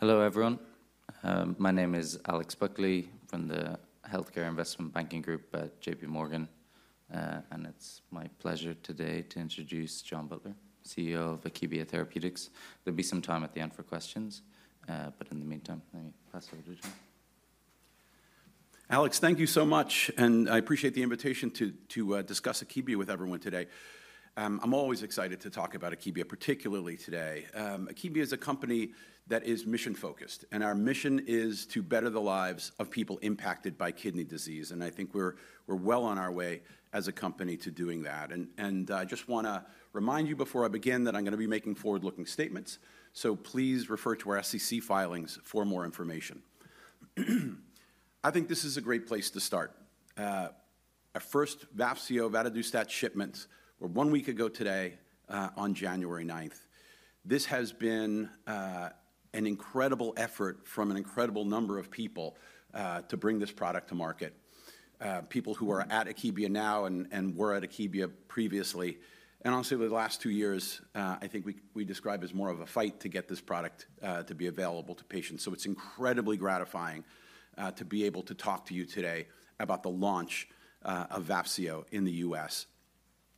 Hello everyone. My name is Alex Buckley from the Healthcare Investment Banking Group at J.P. Morgan. And it's my pleasure today to introduce John Butler, CEO of Akebia Therapeutics. There'll be some time at the end for questions, but in the meantime, let me pass over to John. Alex, thank you so much, and I appreciate the invitation to discuss Akebia with everyone today. I'm always excited to talk about Akebia, particularly today. Akebia is a company that is mission-focused, and our mission is to better the lives of people impacted by kidney disease. And I think we're well on our way as a company to doing that. And I just want to remind you before I begin that I'm going to be making forward-looking statements, so please refer to our SEC filings for more information. I think this is a great place to start. Our first Vafseo vadadustat shipments were one week ago today on January 9th. This has been an incredible effort from an incredible number of people to bring this product to market. People who are at Akebia now and were at Akebia previously. I'll say over the last two years, I think we describe as more of a fight to get this product to be available to patients. So it's incredibly gratifying to be able to talk to you today about the launch of Vafseo in the U.S.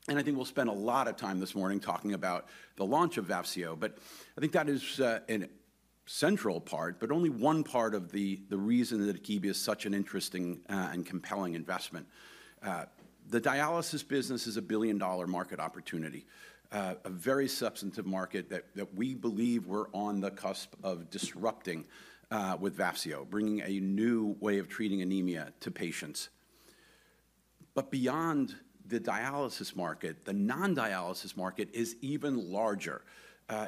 And I think we'll spend a lot of time this morning talking about the launch of Vafseo, but I think that is a central part, but only one part of the reason that Akebia is such an interesting and compelling investment. The dialysis business is a $1 billion market opportunity, a very substantive market that we believe we're on the cusp of disrupting with Vafseo, bringing a new way of treating anemia to patients. But beyond the dialysis market, the non-dialysis market is even larger.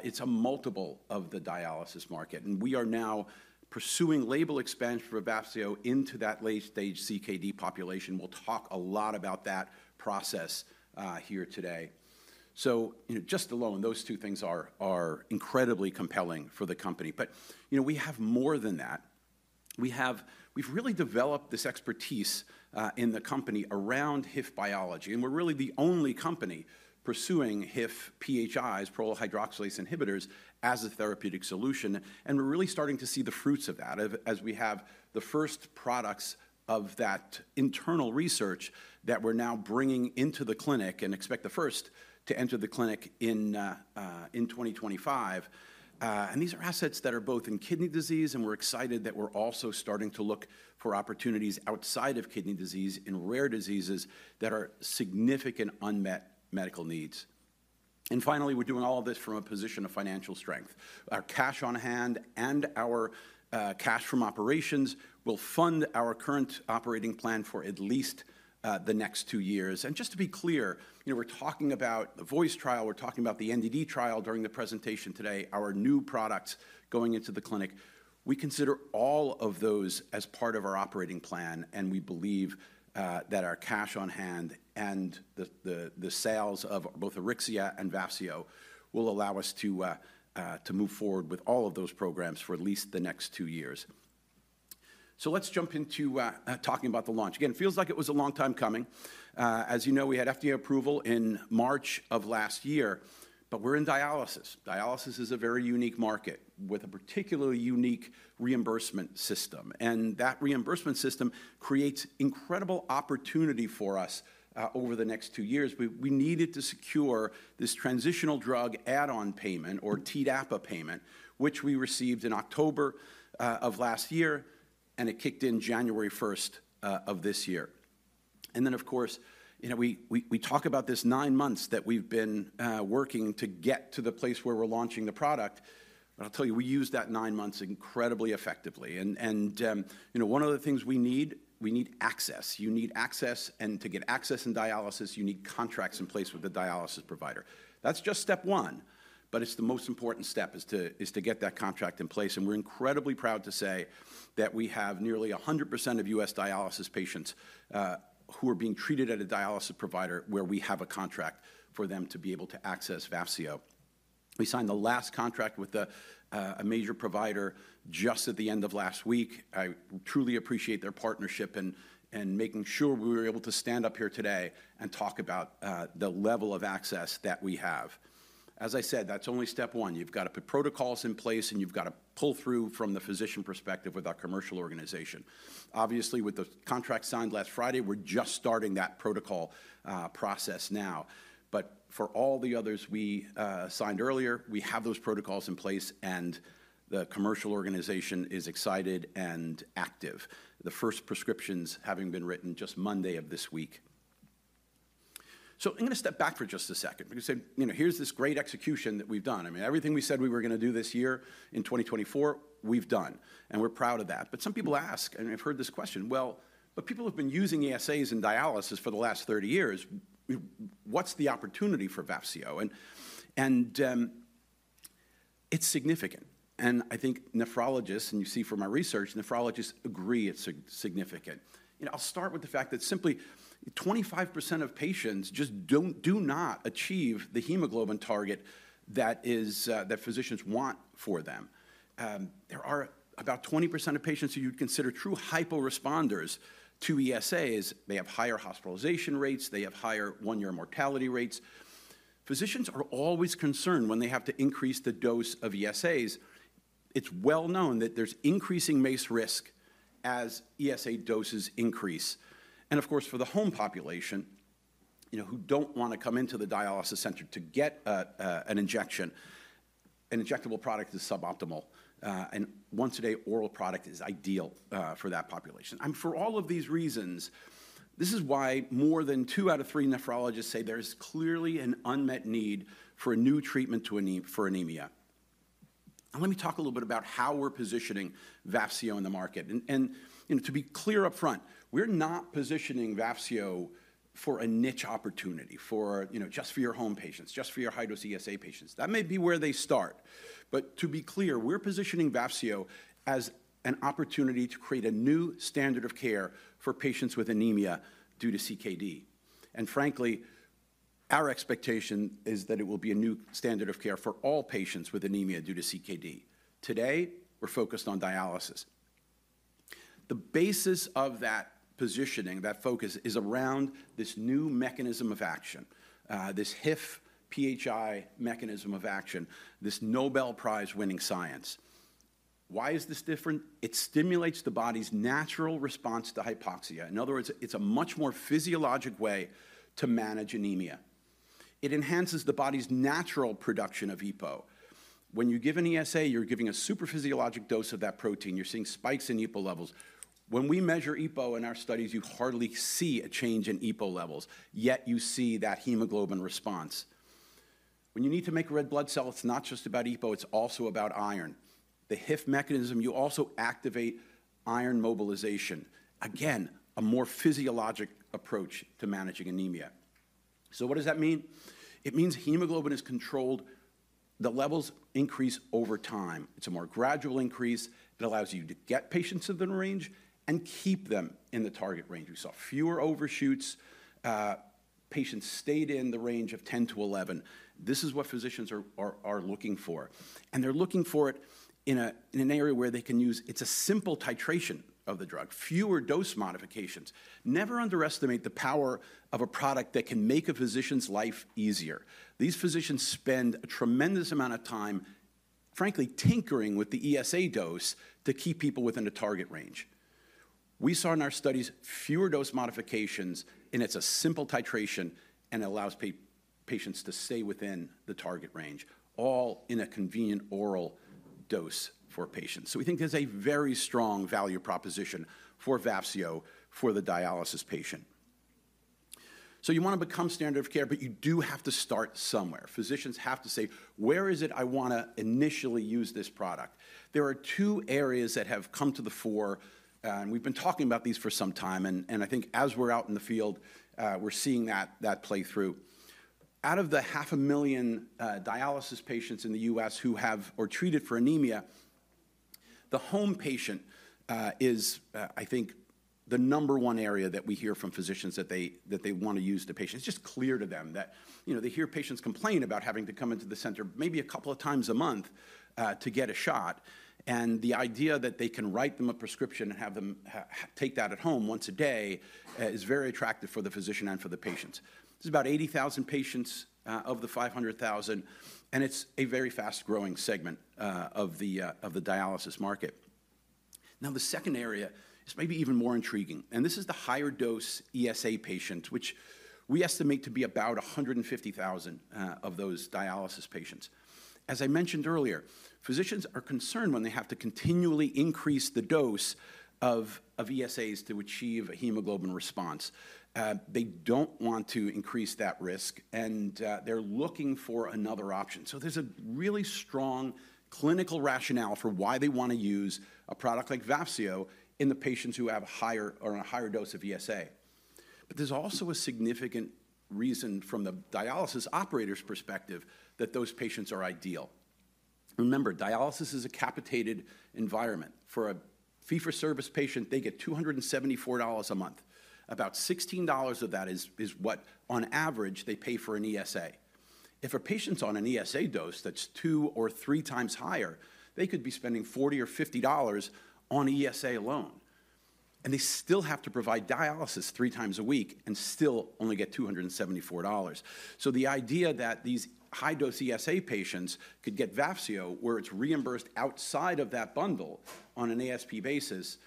It's a multiple of the dialysis market, and we are now pursuing label expansion for Vafseo into that late-stage CKD population. We'll talk a lot about that process here today. So just alone, those two things are incredibly compelling for the company. But we have more than that. We've really developed this expertise in the company around HIF biology, and we're really the only company pursuing HIF-PHIs, prolyl hydroxylase inhibitors, as a therapeutic solution. And we're really starting to see the fruits of that as we have the first products of that internal research that we're now bringing into the clinic and expect the first to enter the clinic in 2025. And these are assets that are both in kidney disease, and we're excited that we're also starting to look for opportunities outside of kidney disease in rare diseases that are significant unmet medical needs. Finally, we're doing all of this from a position of financial strength. Our cash on hand and our cash from operations will fund our current operating plan for at least the next two years. Just to be clear, we're talking about the VOICE trial, we're talking about the NDD trial during the presentation today, our new products going into the clinic. We consider all of those as part of our operating plan, and we believe that our cash on hand and the sales of both Auryxia and Vafseo will allow us to move forward with all of those programs for at least the next two years. Let's jump into talking about the launch. Again, it feels like it was a long time coming. As you know, we had FDA approval in March of last year, but we're in dialysis. Dialysis is a very unique market with a particularly unique reimbursement system. And that reimbursement system creates incredible opportunity for us over the next two years. We needed to secure this transitional drug add-on payment or TDAPA payment, which we received in October of last year, and it kicked in January 1st of this year. And then, of course, we talk about this nine months that we've been working to get to the place where we're launching the product. But I'll tell you, we used that nine months incredibly effectively. And one of the things we need, we need access. You need access, and to get access in dialysis, you need contracts in place with the dialysis provider. That's just step one, but it's the most important step is to get that contract in place. And we're incredibly proud to say that we have nearly 100% of U.S. dialysis patients who are being treated at a dialysis provider where we have a contract for them to be able to access Vafseo. We signed the last contract with a major provider just at the end of last week. I truly appreciate their partnership and making sure we were able to stand up here today and talk about the level of access that we have. As I said, that's only step one. You've got to put protocols in place, and you've got to pull through from the physician perspective with our commercial organization. Obviously, with the contract signed last Friday, we're just starting that protocol process now. But for all the others we signed earlier, we have those protocols in place, and the commercial organization is excited and active. The first prescriptions having been written just Monday of this week. So I'm going to step back for just a second. I'm going to say, here's this great execution that we've done. I mean, everything we said we were going to do this year in 2024, we've done, and we're proud of that. But some people ask, and I've heard this question, well, but people have been using ESAs in dialysis for the last 30 years. What's the opportunity for Vafseo? And it's significant. And I think nephrologists, and you see from my research, nephrologists agree it's significant. I'll start with the fact that simply 25% of patients just do not achieve the hemoglobin target that physicians want for them. There are about 20% of patients who you'd consider true hyper-responders to ESAs. They have higher hospitalization rates. They have higher one-year mortality rates. Physicians are always concerned when they have to increase the dose of ESAs. It's well known that there's increasing MACE risk as ESA doses increase. Of course, for the home population who don't want to come into the dialysis center to get an injection, an injectable product is suboptimal. Once-a-day oral product is ideal for that population. For all of these reasons, this is why more than two out of three nephrologists say there's clearly an unmet need for a new treatment for anemia. Let me talk a little bit about how we're positioning Vafseo in the market. To be clear upfront, we're not positioning Vafseo for a niche opportunity just for your home patients, just for your high-dose ESA patients. That may be where they start. To be clear, we're positioning Vafseo as an opportunity to create a new standard of care for patients with anemia due to CKD. And frankly, our expectation is that it will be a new standard of care for all patients with anemia due to CKD. Today, we're focused on dialysis. The basis of that positioning, that focus is around this new mechanism of action, this HIF-PHI mechanism of action, this Nobel Prize-winning science. Why is this different? It stimulates the body's natural response to hypoxia. In other words, it's a much more physiologic way to manage anemia. It enhances the body's natural production of EPO. When you give an ESA, you're giving a super physiologic dose of that protein. You're seeing spikes in EPO levels. When we measure EPO in our studies, you hardly see a change in EPO levels, yet you see that hemoglobin response. When you need to make red blood cells, it's not just about EPO. It's also about iron. The HIF mechanism, you also activate iron mobilization. Again, a more physiologic approach to managing anemia. So what does that mean? It means hemoglobin is controlled. The levels increase over time. It's a more gradual increase that allows you to get patients in the range and keep them in the target range. We saw fewer overshoots. Patients stayed in the range of 10 to 11. This is what physicians are looking for. And they're looking for it in an area where they can use. It's a simple titration of the drug, fewer dose modifications. Never underestimate the power of a product that can make a physician's life easier. These physicians spend a tremendous amount of time, frankly, tinkering with the ESA dose to keep people within a target range. We saw in our studies fewer dose modifications, and it's a simple titration and allows patients to stay within the target range, all in a convenient oral dose for patients. So we think there's a very strong value proposition for Vafseo for the dialysis patient. So you want to become standard of care, but you do have to start somewhere. Physicians have to say, where is it I want to initially use this product? There are two areas that have come to the fore. And we've been talking about these for some time. And I think as we're out in the field, we're seeing that play through. Out of the 500,000 dialysis patients in the U.S. who have or treated for anemia, the home patient is, I think, the number one area that we hear from physicians that they want to use the patient. It's just clear to them that they hear patients complain about having to come into the center maybe a couple of times a month to get a shot. And the idea that they can write them a prescription and have them take that at home once a day is very attractive for the physician and for the patients. There's about 80,000 patients of the 500,000, and it's a very fast-growing segment of the dialysis market. Now, the second area is maybe even more intriguing. And this is the higher dose ESA patient, which we estimate to be about 150,000 of those dialysis patients. As I mentioned earlier, physicians are concerned when they have to continually increase the dose of ESAs to achieve a hemoglobin response. They don't want to increase that risk, and they're looking for another option. So there's a really strong clinical rationale for why they want to use a product like Vafseo in the patients who have a higher dose of ESA. But there's also a significant reason from the dialysis operator's perspective that those patients are ideal. Remember, dialysis is a capitated environment. For a fee-for-service patient, they get $274 a month. About $16 of that is what, on average, they pay for an ESA. If a patient's on an ESA dose that's two or three times higher, they could be spending $40 or $50 on ESA alone. And they still have to provide dialysis three times a week and still only get $274. So the idea that these high-dose ESA patients could get Vafseo where it's reimbursed outside of that bundle on an ASP basis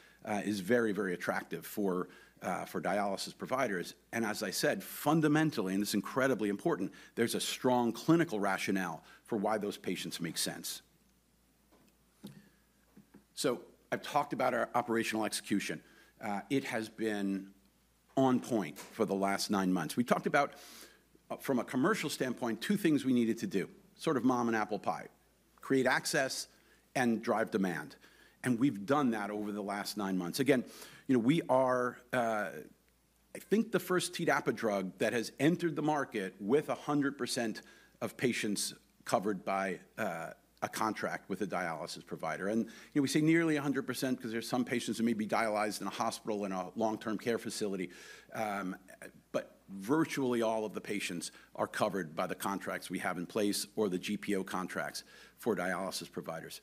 is very, very attractive for dialysis providers. As I said, fundamentally, and this is incredibly important, there's a strong clinical rationale for why those patients make sense. I've talked about our operational execution. It has been on point for the last nine months. We talked about, from a commercial standpoint, two things we needed to do, sort of mom and apple pie, create access and drive demand. We've done that over the last nine months. Again, we are, I think, the first TDAPA drug that has entered the market with 100% of patients covered by a contract with a dialysis provider. We say nearly 100% because there's some patients who may be dialyzed in a hospital in a long-term care facility. Virtually all of the patients are covered by the contracts we have in place or the GPO contracts for dialysis providers.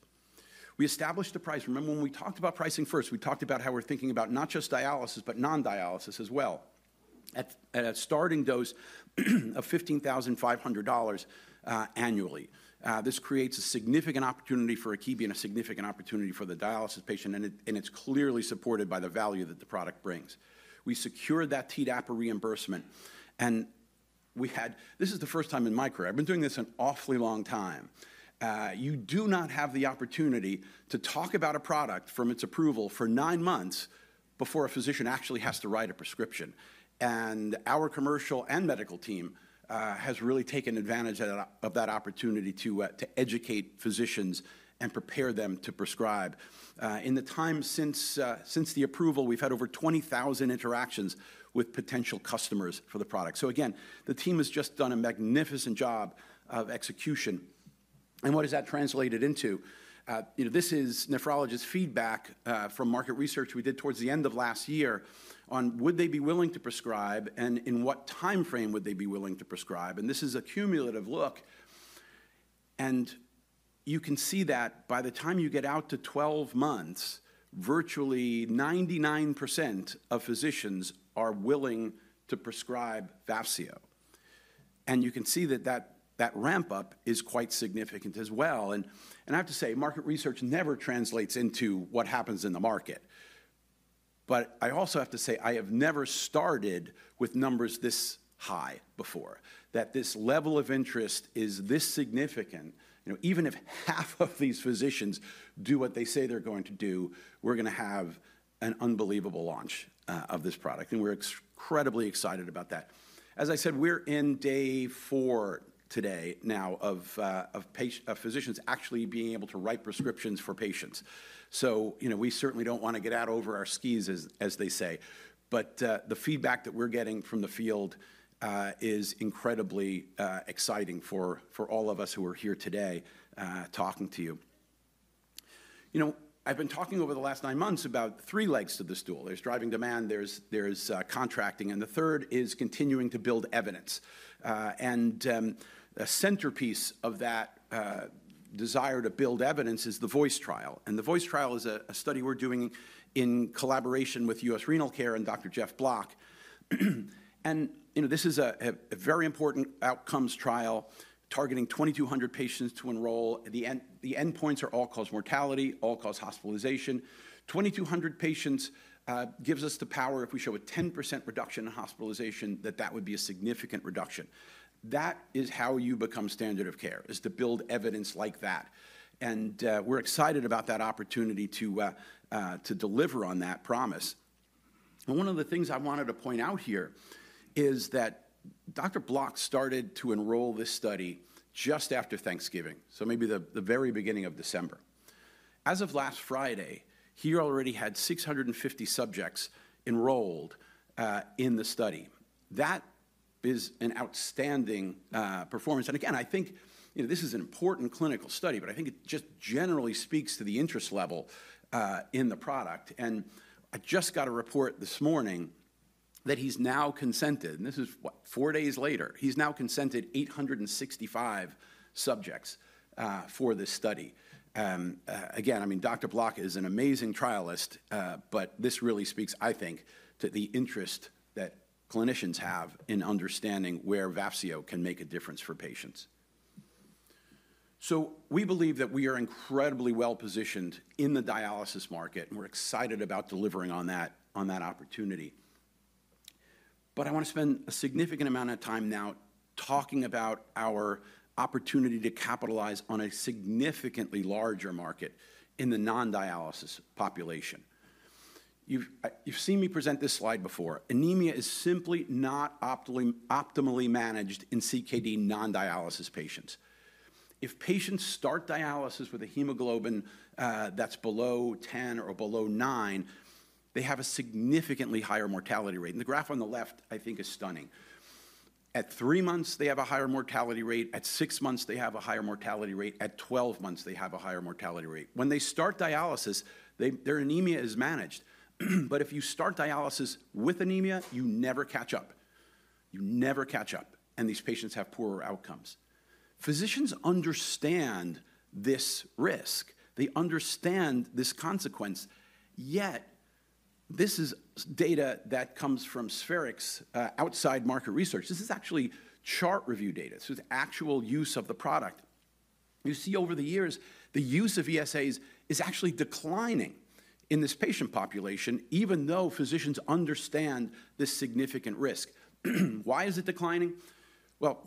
We established a price. Remember when we talked about pricing first? We talked about how we're thinking about not just dialysis, but non-dialysis as well. At a starting dose of $15,500 annually, this creates a significant opportunity for Akebia and a significant opportunity for the dialysis patient. And it's clearly supported by the value that the product brings. We secured that TDAPA reimbursement. And this is the first time in my career. I've been doing this an awfully long time. You do not have the opportunity to talk about a product from its approval for nine months before a physician actually has to write a prescription. And our commercial and medical team has really taken advantage of that opportunity to educate physicians and prepare them to prescribe. In the time since the approval, we've had over 20,000 interactions with potential customers for the product. So again, the team has just done a magnificent job of execution, and what has that translated into? This is nephrologist feedback from market research we did towards the end of last year on would they be willing to prescribe and in what timeframe would they be willing to prescribe, and this is a cumulative look, and you can see that by the time you get out to 12 months, virtually 99% of physicians are willing to prescribe Vafseo, and you can see that that ramp-up is quite significant as well, and I have to say, market research never translates into what happens in the market, but I also have to say, I have never started with numbers this high before, that this level of interest is this significant. Even if half of these physicians do what they say they're going to do, we're going to have an unbelievable launch of this product, and we're incredibly excited about that. As I said, we're in day four today now of physicians actually being able to write prescriptions for patients, so we certainly don't want to get out over our skis, as they say, but the feedback that we're getting from the field is incredibly exciting for all of us who are here today talking to you. I've been talking over the last nine months about three legs to the stool. There's driving demand. There's contracting, and the third is continuing to build evidence, and a centerpiece of that desire to build evidence is the VOICE trial, and the VOICE trial is a study we're doing in collaboration with U.S. Renal Care and Dr. Jeff Block. This is a very important outcomes trial targeting 2,200 patients to enroll. The endpoints are all-cause mortality, all-cause hospitalization. 2,200 patients gives us the power if we show a 10% reduction in hospitalization that that would be a significant reduction. That is how you become standard of care, is to build evidence like that. We're excited about that opportunity to deliver on that promise. One of the things I wanted to point out here is that Dr. Block started to enroll this study just after Thanksgiving, so maybe the very beginning of December. As of last Friday, he already had 650 subjects enrolled in the study. That is an outstanding performance. Again, I think this is an important clinical study, but I think it just generally speaks to the interest level in the product. I just got a report this morning that he's now consented, and this is what, four days later, he's now consented 865 subjects for this study. Again, I mean, Dr. Jeff Block is an amazing trialist, but this really speaks, I think, to the interest that clinicians have in understanding where Vafseo can make a difference for patients. We believe that we are incredibly well-positioned in the dialysis market, and we're excited about delivering on that opportunity. I want to spend a significant amount of time now talking about our opportunity to capitalize on a significantly larger market in the non-dialysis population. You've seen me present this slide before. Anemia is simply not optimally managed in CKD non-dialysis patients. If patients start dialysis with a hemoglobin that's below 10 or below 9, they have a significantly higher mortality rate. And the graph on the left, I think, is stunning. At three months, they have a higher mortality rate. At six months, they have a higher mortality rate. At 12 months, they have a higher mortality rate. When they start dialysis, their anemia is managed. But if you start dialysis with anemia, you never catch up. You never catch up. And these patients have poorer outcomes. Physicians understand this risk. They understand this consequence. Yet this is data that comes from Spherix, outside market research. This is actually chart review data. This is actual use of the product. You see over the years, the use of ESAs is actually declining in this patient population, even though physicians understand this significant risk. Why is it declining? Well,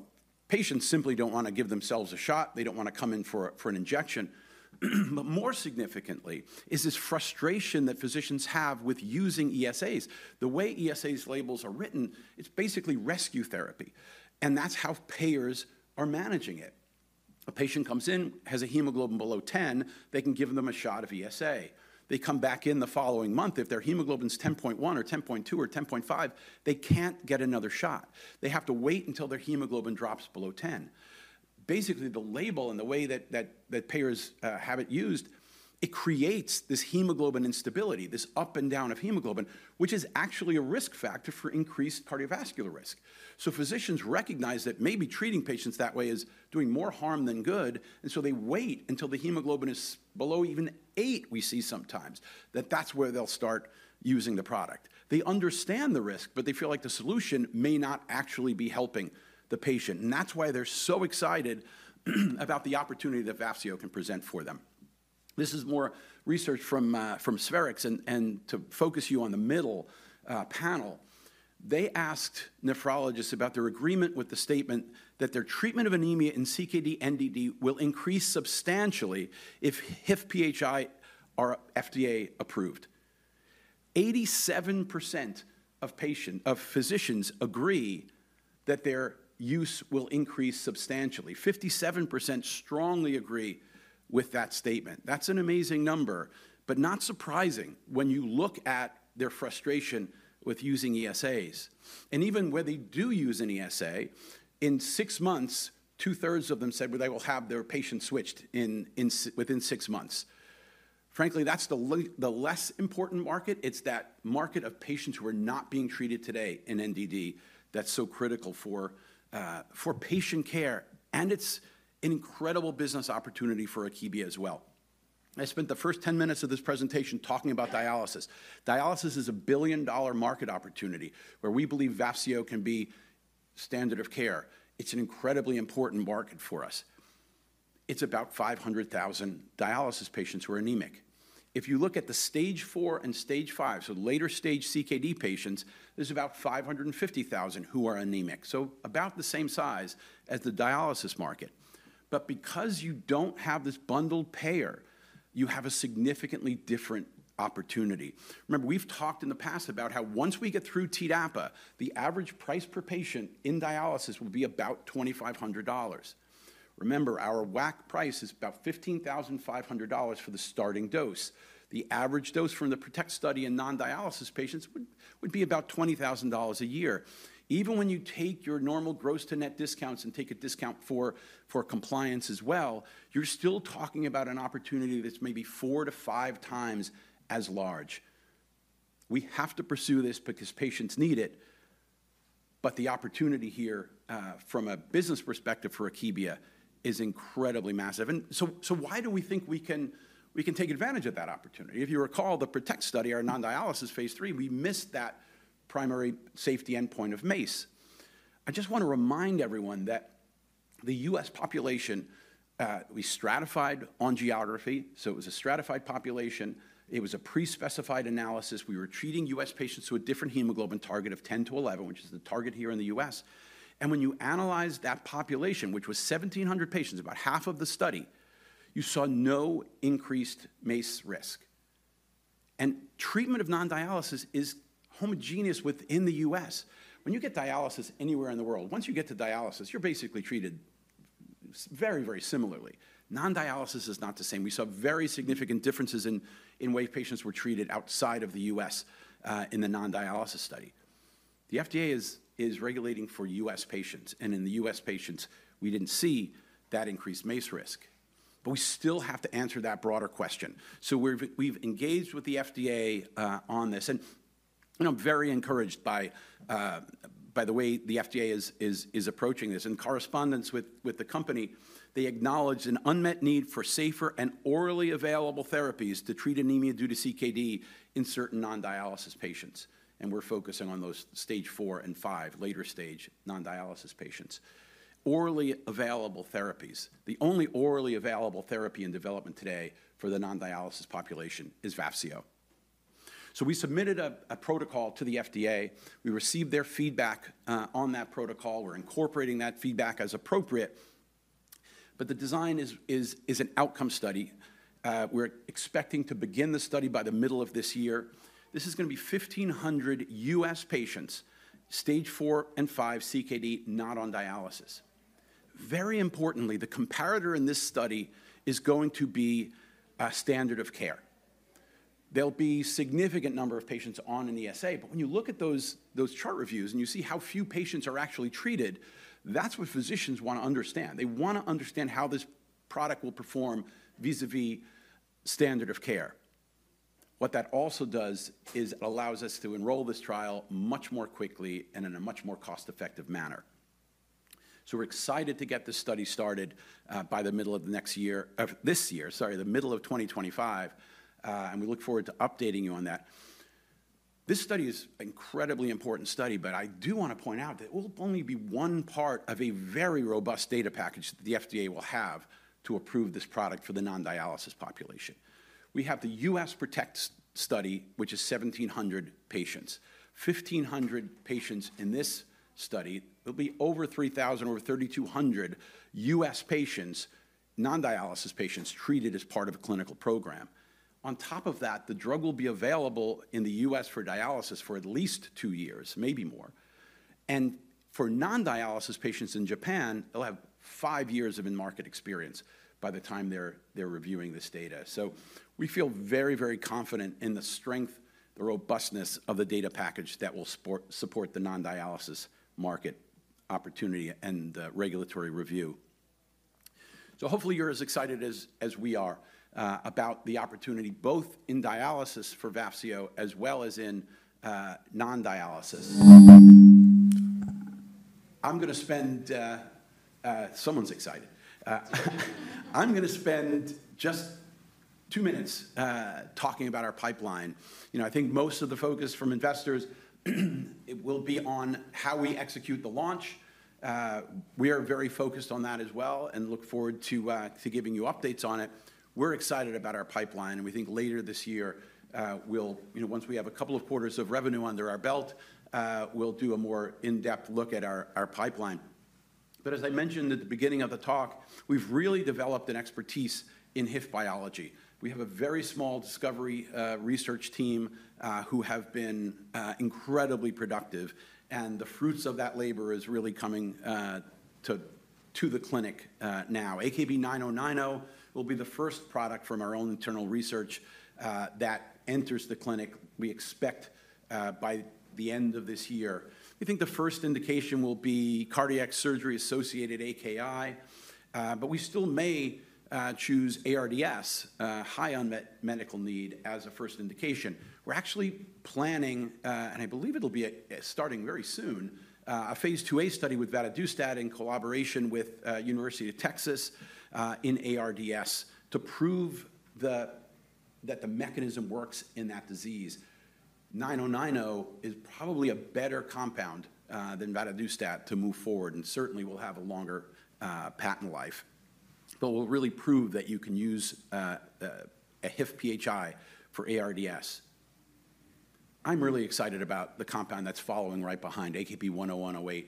patients simply don't want to give themselves a shot. They don't want to come in for an injection. But more significantly is this frustration that physicians have with using ESAs. The way ESAs labels are written, it's basically rescue therapy. And that's how payers are managing it. A patient comes in, has a hemoglobin below 10, they can give them a shot of ESA. They come back in the following month. If their hemoglobin is 10.1 or 10.2 or 10.5, they can't get another shot. They have to wait until their hemoglobin drops below 10. Basically, the label and the way that payers have it used, it creates this hemoglobin instability, this up and down of hemoglobin, which is actually a risk factor for increased cardiovascular risk. So physicians recognize that maybe treating patients that way is doing more harm than good. And so they wait until the hemoglobin is below even eight, we see sometimes, that that's where they'll start using the product. They understand the risk, but they feel like the solution may not actually be helping the patient. And that's why they're so excited about the opportunity that Vafseo can present for them. This is more research from Spherix. And to focus you on the middle panel, they asked nephrologists about their agreement with the statement that their treatment of anemia in CKD NDD will increase substantially if HIF-PHI are FDA approved. 87% of physicians agree that their use will increase substantially. 57% strongly agree with that statement. That's an amazing number, but not surprising when you look at their frustration with using ESAs. And even where they do use an ESA, in six months, two-thirds of them said they will have their patient switched within six months. Frankly, that's the less important market. It's that market of patients who are not being treated today in NDD that's so critical for patient care. And it's an incredible business opportunity for Akebia as well. I spent the first 10 minutes of this presentation talking about dialysis. Dialysis is a billion-dollar market opportunity where we believe Vafseo can be standard of care. It's an incredibly important market for us. It's about 500,000 dialysis patients who are anemic. If you look at the stage IV and stage V, so later stage CKD patients, there's about 550,000 who are anemic, so about the same size as the dialysis market. But because you don't have this bundled payer, you have a significantly different opportunity. Remember, we've talked in the past about how once we get through TDAPA, the average price per patient in dialysis will be about $2,500. Remember, our WAC price is about $15,500 for the starting dose. The average dose from the PROTECT study in non-dialysis patients would be about $20,000 a year. Even when you take your normal gross-to-net discounts and take a discount for compliance as well, you're still talking about an opportunity that's maybe four to five times as large. We have to pursue this because patients need it. But the opportunity here from a business perspective for Akebia is incredibly massive. And so why do we think we can take advantage of that opportunity? If you recall the PROTECT study, our non-dialysis phase III, we missed that primary safety endpoint of MACE. I just want to remind everyone that the U.S. population, we stratified on geography. So it was a stratified population. It was a pre-specified analysis. We were treating U.S. patients with a different hemoglobin target of 10-11, which is the target here in the U.S. And when you analyze that population, which was 1,700 patients, about half of the study, you saw no increased MACE risk. And treatment of non-dialysis is homogeneous within the U.S. When you get dialysis anywhere in the world, once you get to dialysis, you're basically treated very, very similarly. Non-dialysis is not the same. We saw very significant differences in ways patients were treated outside of the U.S. in the non-dialysis study. The FDA is regulating for U.S. patients. And in the U.S. patients, we didn't see that increased MACE risk. But we still have to answer that broader question. So we've engaged with the FDA on this. And I'm very encouraged by the way the FDA is approaching this. In correspondence with the company, they acknowledge an unmet need for safer and orally available therapies to treat anemia due to CKD in certain non-dialysis patients. We're focusing on those stage IV and V, later stage non-dialysis patients. Orally available therapies. The only orally available therapy in development today for the non-dialysis population is Vafseo. We submitted a protocol to the FDA. We received their feedback on that protocol. We're incorporating that feedback as appropriate. The design is an outcome study. We're expecting to begin the study by the middle of this year. This is going to be 1,500 U.S. patients, stage IV and V CKD, not on dialysis. Very importantly, the comparator in this study is going to be standard of care. There'll be a significant number of patients on an ESA. When you look at those chart reviews and you see how few patients are actually treated, that's what physicians want to understand. They want to understand how this product will perform vis-à-vis standard of care. What that also does is it allows us to enroll this trial much more quickly and in a much more cost-effective manner. So we're excited to get this study started by the middle of this year, sorry, the middle of 2025. And we look forward to updating you on that. This study is an incredibly important study, but I do want to point out that it will only be one part of a very robust data package that the FDA will have to approve this product for the non-dialysis population. We have the U.S. PROTECT study, which is 1,700 patients. 1,500 patients in this study. It'll be over 3,000, over 3,200 U.S. patients, non-dialysis patients treated as part of a clinical program. On top of that, the drug will be available in the U.S. for dialysis for at least two years, maybe more. For non-dialysis patients in Japan, they'll have five years of in-market experience by the time they're reviewing this data. We feel very, very confident in the strength, the robustness of the data package that will support the non-dialysis market opportunity and regulatory review. Hopefully you're as excited as we are about the opportunity both in dialysis for Vafseo as well as in non-dialysis. I'm going to spend just two minutes talking about our pipeline. I think most of the focus from investors will be on how we execute the launch. We are very focused on that as well and look forward to giving you updates on it. We're excited about our pipeline. We think later this year, once we have a couple of quarters of revenue under our belt, we'll do a more in-depth look at our pipeline. But as I mentioned at the beginning of the talk, we've really developed an expertise in HIF biology. We have a very small discovery research team who have been incredibly productive. And the fruits of that labor is really coming to the clinic now. AKB-9090 will be the first product from our own internal research that enters the clinic. We expect by the end of this year. We think the first indication will be cardiac surgery-associated AKI. But we still may choose ARDS, high on medical need, as a first indication. We're actually planning, and I believe it'll be starting very soon, a phase II-A study with vadadustat in collaboration with the University of Texas in ARDS to prove that the mechanism works in that disease. AKB-9090 is probably a better compound than vadadustat to move forward and certainly will have a longer patent life. But we'll really prove that you can use a HIF-PHI for ARDS. I'm really excited about the compound that's following right behind AKB-10108.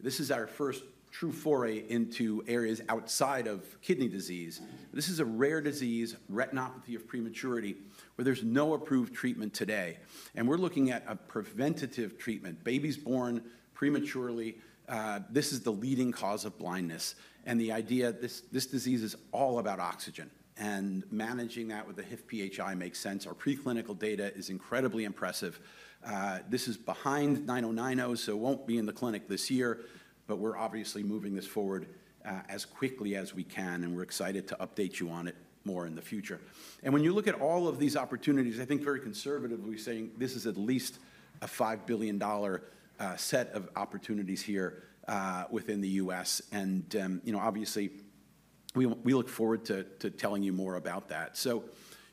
This is our first true foray into areas outside of kidney disease. This is a rare disease, retinopathy of prematurity, where there's no approved treatment today. And we're looking at a preventative treatment. Babies born prematurely, this is the leading cause of blindness. And the idea that this disease is all about oxygen and managing that with a HIF-PHI makes sense. Our preclinical data is incredibly impressive. This is behind 9090, so it won't be in the clinic this year. But we're obviously moving this forward as quickly as we can. And we're excited to update you on it more in the future. When you look at all of these opportunities, I think very conservatively we're saying this is at least a $5 billion set of opportunities here within the U.S. And obviously, we look forward to telling you more about that. So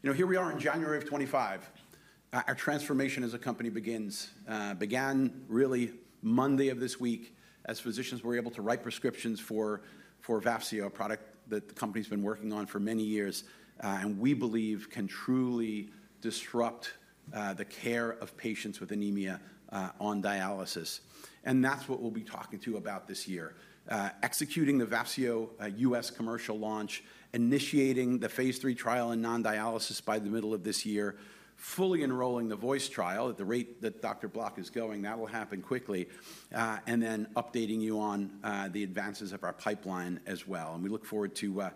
here we are in January of 2025. Our transformation as a company began really Monday of this week as physicians were able to write prescriptions for Vafseo, a product that the company's been working on for many years and we believe can truly disrupt the care of patients with anemia on dialysis. And that's what we'll be talking to you about this year. Executing the Vafseo U.S. commercial launch, initiating the phase III trial in non-dialysis by the middle of this year, fully enrolling the VOICE trial at the rate that Dr. Block is going. That will happen quickly. Updating you on the advances of our pipeline as well. We look forward to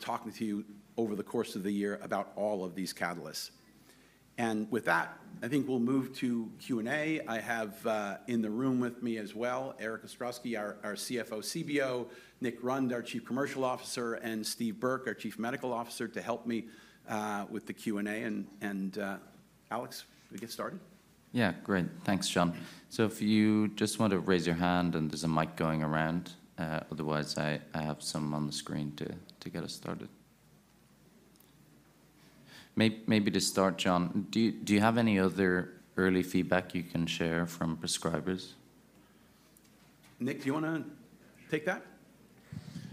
talking to you over the course of the year about all of these catalysts. With that, I think we'll move to Q&A. I have in the room with me as well, Erik Ostrowski, our CFO CBO, Nik Grund, our Chief Commercial Officer, and Steve Burke, our Chief Medical Officer, to help me with the Q&A. Alex, we get started? Yeah, great. Thanks, John. So if you just want to raise your hand and there's a mic going around, otherwise I have some on the screen to get us started. Maybe to start, John, do you have any other early feedback you can share from prescribers? Nik, do you want to take that?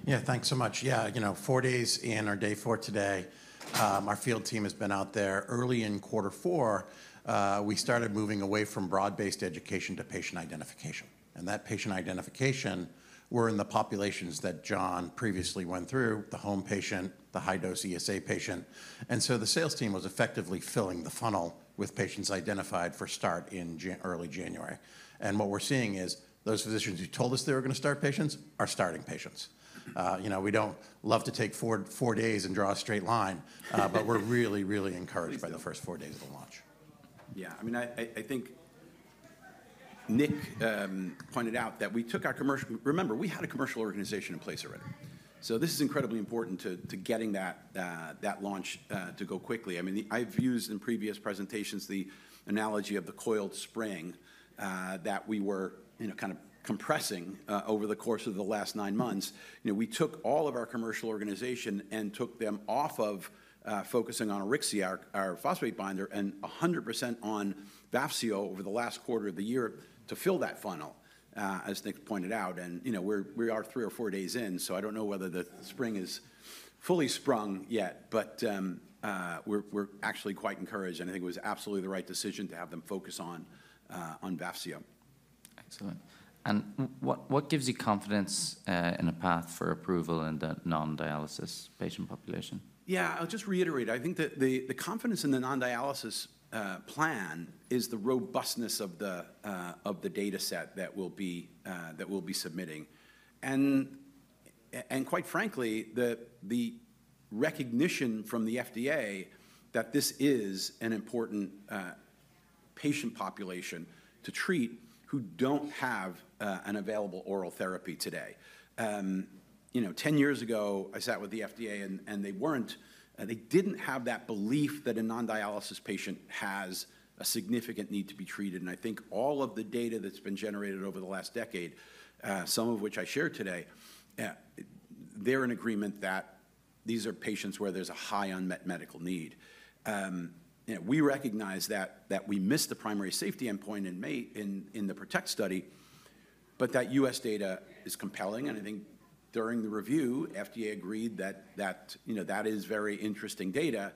Yeah, thanks so much. Yeah, four days in or day four today, our field team has been out there. Early in quarter four, we started moving away from broad-based education to patient identification, and that patient identification, we're in the populations that John previously went through, the home patient, the high-dose ESA patient, and so the sales team was effectively filling the funnel with patients identified for start in early January, and what we're seeing is those physicians who told us they were going to start patients are starting patients. We don't love to take four days and draw a straight line, but we're really, really encouraged by the first four days of the launch. Yeah, I mean, I think Nik pointed out that we took our commercial, remember, we had a commercial organization in place already. So this is incredibly important to getting that launch to go quickly. I mean, I've used in previous presentations the analogy of the coiled spring that we were kind of compressing over the course of the last nine months. We took all of our commercial organization and took them off of focusing on Auryxia, our phosphate binder, and 100% on Vafseo over the last quarter of the year to fill that funnel, as Nik pointed out. And we are three or four days in, so I don't know whether the spring is fully sprung yet, but we're actually quite encouraged. And I think it was absolutely the right decision to have them focus on Vafseo. Excellent. And what gives you confidence in a path for approval in the non-dialysis patient population? Yeah, I'll just reiterate. I think that the confidence in the non-dialysis plan is the robustness of the data set that we'll be submitting. Quite frankly, the recognition from the FDA that this is an important patient population to treat who don't have an available oral therapy today. 10 years ago, I sat with the FDA and they didn't have that belief that a non-dialysis patient has a significant need to be treated. I think all of the data that's been generated over the last decade, some of which I shared today, they're in agreement that these are patients where there's a high unmet medical need. We recognize that we missed the primary safety endpoint in the PROTECT study, but that U.S. data is compelling. I think during the review, FDA agreed that that is very interesting data.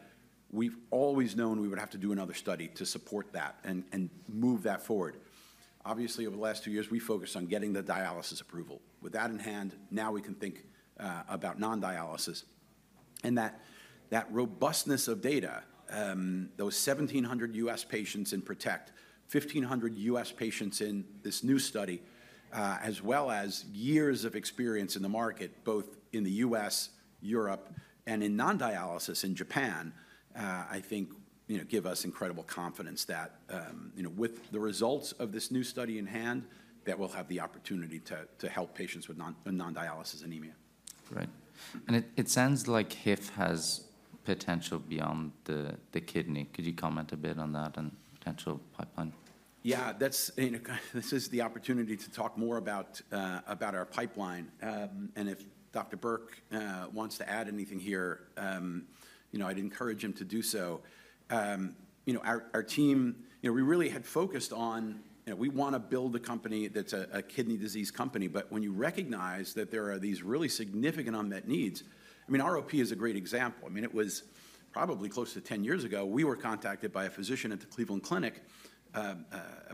We've always known we would have to do another study to support that and move that forward. Obviously, over the last two years, we focused on getting the dialysis approval. With that in hand, now we can think about non-dialysis, and that robustness of data, those 1,700 U.S. patients in PROTECT, 1,500 U.S. patients in this new study, as well as years of experience in the market, both in the U.S., Europe, and in non-dialysis in Japan, I think give us incredible confidence that with the results of this new study in hand, that we'll have the opportunity to help patients with non-dialysis anemia. Right, and it sounds like HIF has potential beyond the kidney. Could you comment a bit on that and potential pipeline? Yeah, this is the opportunity to talk more about our pipeline, and if Dr. Burke wants to add anything here, I'd encourage him to do so. Our team, we really had focused on we want to build a company that's a kidney disease company. But when you recognize that there are these really significant unmet needs, I mean, ROP is a great example. I mean, it was probably close to 10 years ago, we were contacted by a physician at the Cleveland Clinic, a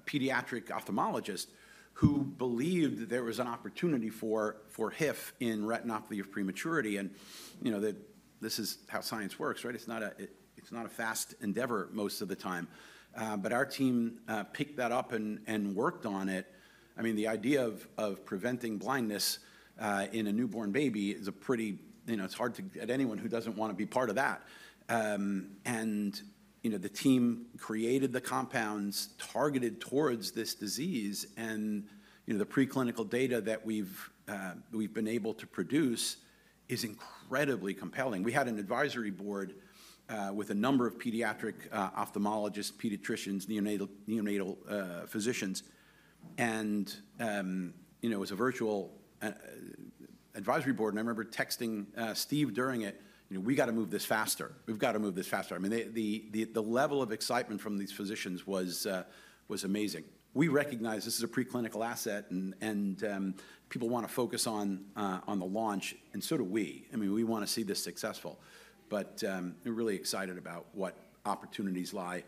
pediatric ophthalmologist who believed that there was an opportunity for HIF in retinopathy of prematurity. And this is how science works, right? It's not a fast endeavor most of the time. But our team picked that up and worked on it. I mean, the idea of preventing blindness in a newborn baby is a pretty hard to get anyone who doesn't want to be part of that. And the team created the compounds targeted towards this disease. And the preclinical data that we've been able to produce is incredibly compelling. We had an advisory board with a number of pediatric ophthalmologists, pediatricians, neonatal physicians. It was a virtual advisory board. I remember texting Steve during it, "We got to move this faster. We've got to move this faster." I mean, the level of excitement from these physicians was amazing. We recognize this is a preclinical asset and people want to focus on the launch, and so do we. I mean, we want to see this successful. But we're really excited about what opportunities lie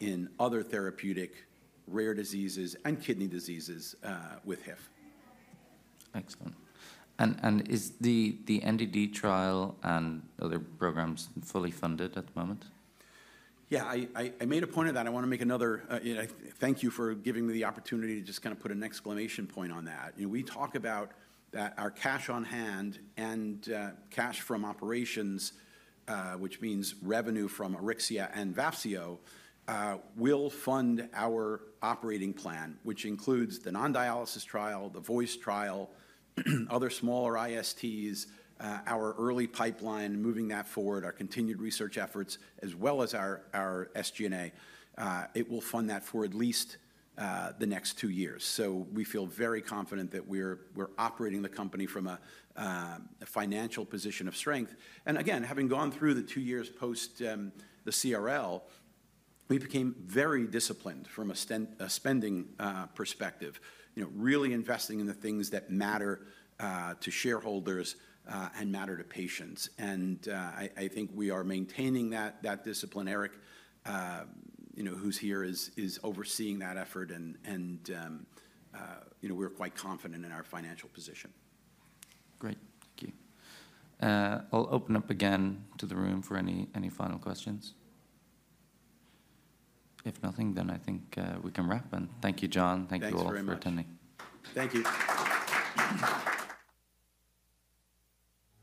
in other therapeutic rare diseases and kidney diseases with HIF. Excellent. Is the NDD trial and other programs fully funded at the moment? Yeah, I made a point of that. I want to make another thank you for giving me the opportunity to just kind of put an exclamation point on that. We talk about that our cash on hand and cash from operations, which means revenue from Auryxia and Vafseo, will fund our operating plan, which includes the non-dialysis trial, the VOICE trial, other smaller ISTs, our early pipeline, moving that forward, our continued research efforts, as well as our SG&A. It will fund that for at least the next two years. So we feel very confident that we're operating the company from a financial position of strength. And again, having gone through the two years post the CRL, we became very disciplined from a spending perspective, really investing in the things that matter to shareholders and matter to patients. And I think we are maintaining that discipline. Eric, who's here, is overseeing that effort. And we're quite confident in our financial position. Great. Thank you. I'll open up again to the room for any final questions. If nothing, then I think we can wrap. And thank you, John. Thank you all for attending. Thanks, Alex. Thank you.